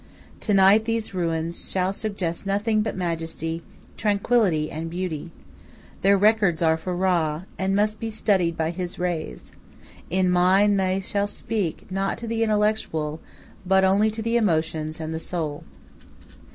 To night these ruins shall suggest nothing but majesty, tranquillity, and beauty. Their records are for Ra, and must be studied by his rays. In mine they shall speak not to the intellectual, but only to the emotions and the soul."